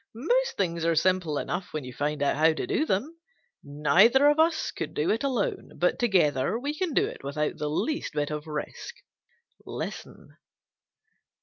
Most things are simple enough when you find out how to do them. Neither of us could do it alone, but together we can do it without the least bit of risk. Listen."